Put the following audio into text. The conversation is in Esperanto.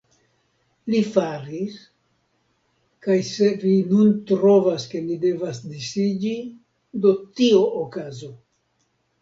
Li faris; kaj se vi nun trovas, ke ni devas disiĝi, do tio okazu.